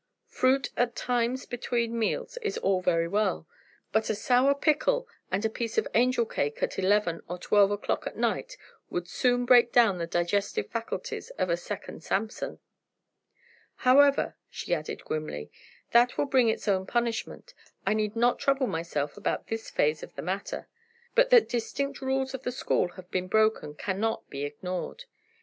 Fruit at times between meals is all very well. But a sour pickle and a piece of angel cake at eleven or twelve o'clock at night would soon break down the digestive faculties of a second Samson. "However," she added grimly, "that will bring its own punishment. I need not trouble myself about this phase of the matter. But that distinct rules of the school have been broken cannot be ignored.